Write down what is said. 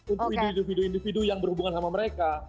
untuk individu individu yang berhubungan sama mereka